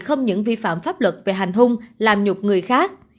không những vi phạm pháp luật về hành hung làm nhục người khác